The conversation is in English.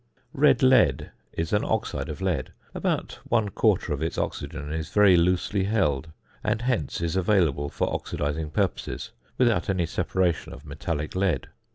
~Red lead~ is an oxide of lead. About one quarter of its oxygen is very loosely held, and, hence, is available for oxidising purposes, without any separation of metallic lead.